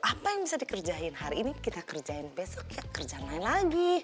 apa yang bisa dikerjain hari ini kita kerjain besok ya kerja main lagi